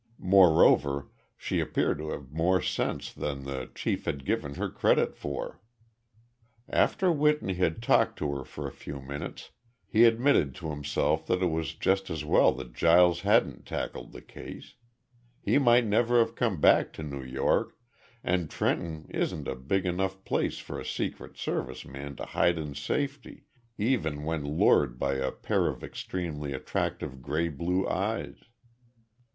Moreover, she appeared to have more sense than the chief had given her credit for. After Whitney had talked to her for a few minutes he admitted to himself that it was just as well that Giles hadn't tackled the case he might never have come back to New York, and Trenton isn't a big enough place for a Secret Service man to hide in safety, even when lured by a pair of extremely attractive gray blue eyes.